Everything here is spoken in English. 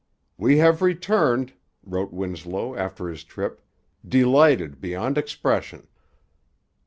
'We have returned,' wrote Winslow after his trip, 'delighted beyond expression.'